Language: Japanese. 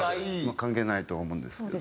関係ないとは思うんですけど。